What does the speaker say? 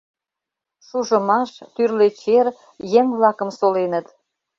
Шужымаш, тӱрлӧ чер еҥ-влакым соленыт.